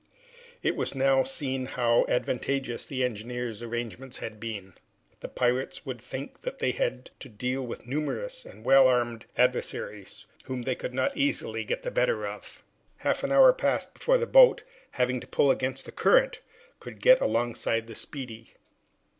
It was now seen how advantageous the engineer's arrangements had been. The pirates would think that they had to deal with numerous and well armed adversaries, whom they could not easily get the better of. Half an hour passed before the boat, having to pull against the current, could get alongside the "Speedy."